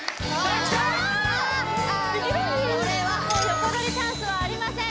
あもう横取りチャンスはありません